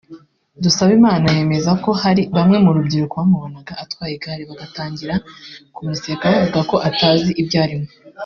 Dusabimana yemeza ko hari bamwe mu rubyiruko bamubonaga atwaye igare bagatangira kumuseka bavuga ko atazi ibyo arimo